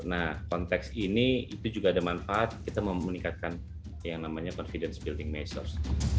nah konteks ini itu juga ada manfaat kita meningkatkan yang namanya confidence building measures